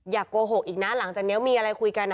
โกหกอีกนะหลังจากนี้มีอะไรคุยกัน